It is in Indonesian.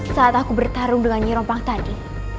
saat aku bertarung dengan nyirom pang tadi